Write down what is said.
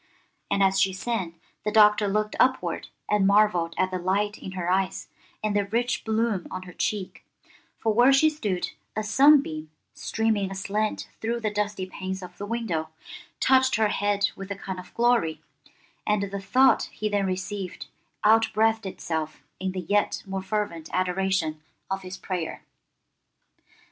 And as she sang, the Doctor looked upward and marvelled at the light in her eyes and the rich bloom on her cheek, for where she stood a sunbeam, streaming aslant through the dusty panes of the window, touched her head with a kind of glory, and the thought he then received outbreathed itself in the yet more fervent adoration of his prayer.